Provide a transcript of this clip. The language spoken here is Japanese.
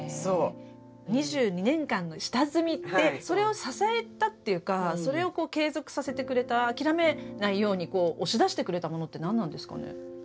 ２２年間の下積みってそれを支えたっていうかそれを継続させてくれた諦めないように押し出してくれたものって何なんですかね。